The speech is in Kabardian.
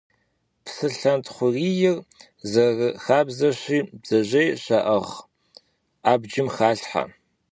Псылъэнтхъуийр, зэрыхабзэщи, бдзэжьей щаӀыгъ абджым халъхьэ.